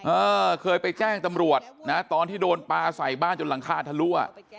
เออเคยไปแจ้งตำรวจนะตอนที่โดนปลาใส่บ้านจนหลังคาทะลั่ว